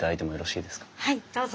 はいどうぞ。